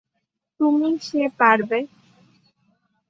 তুমি সে পারবে।